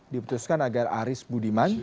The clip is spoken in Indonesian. diputuskan agar aris budiman